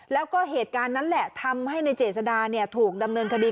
แล้วก็เหตุการณ์นั้นแหละทำให้ในเจษดาถูกดำเนินคดี